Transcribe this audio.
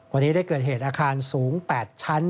วันนี้ได้เกิดเหตุอาคารสูง๘ชั้น